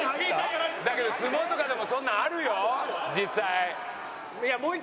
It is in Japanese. だけど相撲とかでもそんなのあるよ実際。